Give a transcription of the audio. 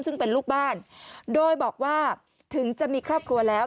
ซึ่งเป็นลูกบ้านโดยบอกว่าถึงจะมีครอบครัวแล้ว